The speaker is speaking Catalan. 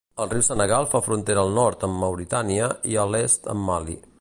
El riu Senegal fa frontera al nord amb Mauritània i a l'est amb Mali.